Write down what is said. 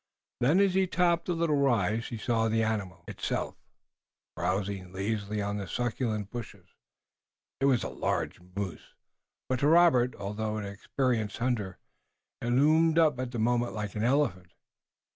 Then, as he topped a little rise, he saw the animal itself, browsing lazily on the succulent bushes. It was a large moose, but to Robert, although an experienced hunter, it loomed up at the moment like an elephant.